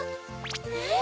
えっ？